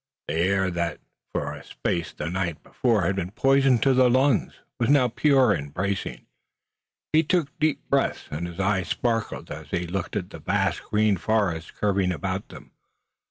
The air that for a space the night before had been poisonous to the lungs was now pure and bracing. He took deep breaths, and his eyes sparkled as he looked at the vast green forest curving about them.